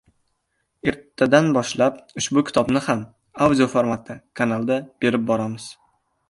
Ertadan boshlab ushbu kitobni ham audioformatda kanalda berib boramiz.